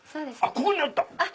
ここにあった！